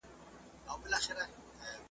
نیژدې لیري یې وړې پارچې پرتې وي .